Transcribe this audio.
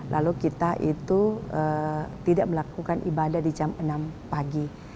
lalu kita itu tidak melakukan ibadah di jam enam pagi